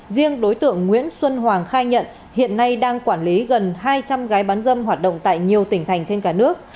riêng đối tượng nguyễn xuân hoàng khai nhận hiện nay đang quản lý gần hai trăm linh gái bán dâm hoạt động tại nhiều tỉnh thành trên cả nước